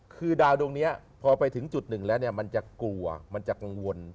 คือดาวน์โดงนี้พอไปถึงจุด๑แล้วมันจะกลัวมันจะกังวล